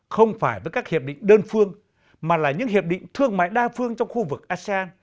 không phải với các hiệp định đơn phương mà là những hiệp định thương mại đa phương trong khu vực asean